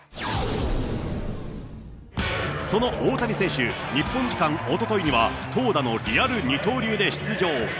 その大谷選手、日本時間おとといには、投打のリアル二刀流で出場。